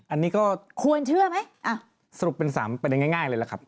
อันนี้ก็ควรเชื่อไหมอ่ะสรุปเป็น๓ประเด็นง่ายเลยล่ะครับ